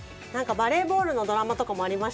バレーボールのドラマとかもありましたよね。